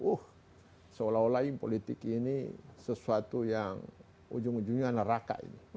uh seolah olah politik ini sesuatu yang ujung ujungnya neraka ini